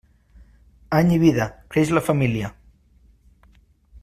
Any i vida, creix la família.